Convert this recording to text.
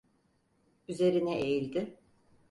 Üzerine eğildi.